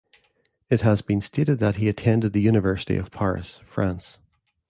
It has been stated that he attended the university of Paris, France.